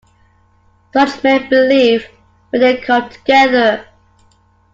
Such men believe, when they come together.